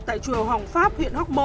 tại chùa hồng pháp huyện hóc môn